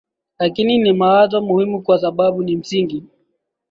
lakini ni mwazo muhimu kwa sababu ni msingi